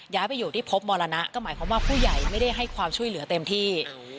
ย้ายไปอยู่ที่พบมรณะก็หมายความว่าผู้ใหญ่ไม่ได้ให้ความช่วยเหลือเต็มที่